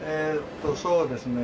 そうですね。